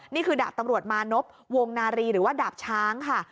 นี่คือดาบตำรวจมานพวงนารีหรือว่าดาบช้างค่ะ